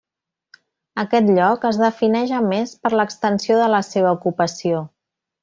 Aquest lloc es defineix a més per l'extensió de la seva ocupació.